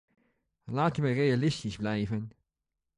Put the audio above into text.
Laten we realistisch blijven.